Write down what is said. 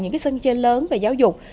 những cái sân chơi lớn về giáo dục